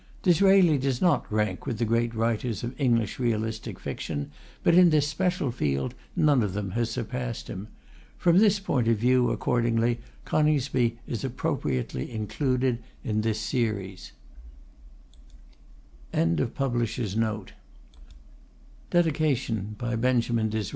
Disraeli does not rank with the great writers of English realistic fiction, but in this special field none of them has surpassed him. From this point of view, accordingly, "Coningsby" is appropriately included in this series.